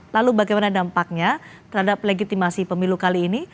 lalu bagaimana dampaknya terhadap legitimasi pemilu kali ini